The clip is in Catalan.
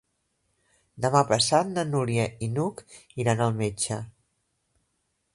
Demà passat na Núria i n'Hug iran al metge.